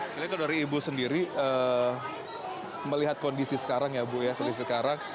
kalau dari ibu sendiri melihat kondisi sekarang ya bu ya kondisi sekarang